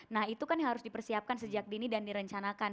nah itu kan yang harus dipersiapkan sejak dini dan direncanakan